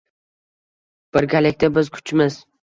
Birgalikda biz kuchmiz